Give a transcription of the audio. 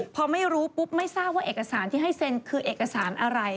พอไม่รู้ปุ๊บไม่ทราบว่าเอกสารที่ให้เซ็นคือเอกสารอะไร